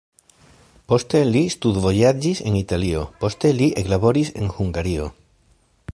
Poste li studvojaĝis en Italio, poste li eklaboris en Hungario.